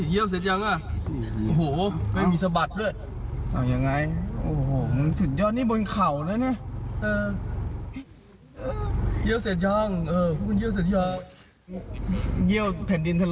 เออดีดี